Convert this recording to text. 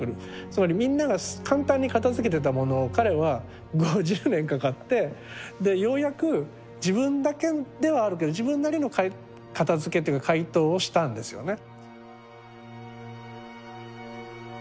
つまりみんなが簡単に片づけてたものを彼は５０年かかってでようやく自分だけではあるけど自分なりの片づけという回答をしたんですよね。